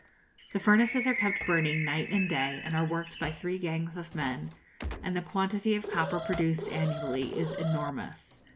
The furnaces are kept burning night and day, and are worked by three gangs of men; and the quantity of copper produced annually is enormous.